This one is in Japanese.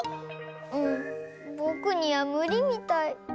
うんぼくにはむりみたい。